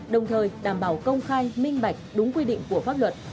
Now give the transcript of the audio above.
đồng thời đảm bảo công khai minh bạch đúng quy định của pháp luật